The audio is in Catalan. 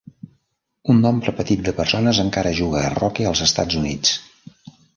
Un nombre petit de persones encara juga a roque als Estats Units.